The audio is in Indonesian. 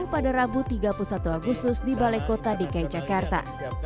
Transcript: pada rabu tiga puluh satu agustus di balai kota dki jakarta